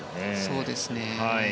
そうですね。